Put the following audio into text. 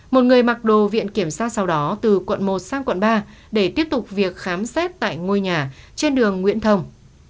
một người mặc đồ viện kiểm sát sau đó từ quận một sang quận ba để tiếp tục việc khám xét tại ngôi nhà trên đường nguyễn thông